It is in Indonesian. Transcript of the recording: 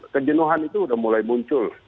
kejenuhan itu sudah mulai muncul